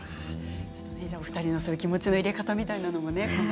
お二人の気持ちの入れ方みたいなものもね